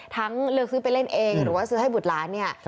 เลือกซื้อไปเล่นเองหรือว่าซื้อให้บุตรหลานเนี่ย